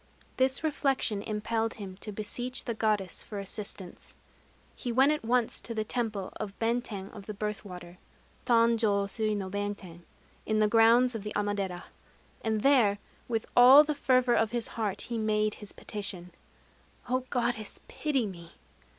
This reflection impelled him to beseech the Goddess for assistance. He went at once to the temple of Benten of the Birth Water (Tanjô sui no Benten) in the grounds of the Amadera; and there, with all the fervor of his heart, he made his petition: "O Goddess, pity me!